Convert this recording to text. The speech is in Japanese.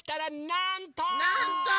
なんと！